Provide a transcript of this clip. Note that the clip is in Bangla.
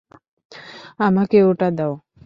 আমাকে ওটা দাও।